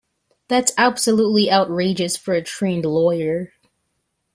That's absolutely outrageous for a trained lawyer.